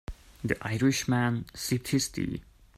The Irish man sipped his tea.